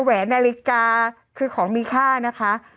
แหวนนาฬิกาคือของมีค่านะคะ